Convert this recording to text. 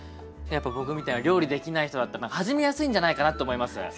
やっぱ僕みたいな料理できない人だったら始めやすいんじゃないかなと思います。